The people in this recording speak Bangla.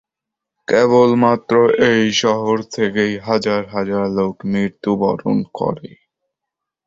কেবলমাত্র এ শহর থেকেই হাজার হাজার লোক মৃত্যুবরণ করে।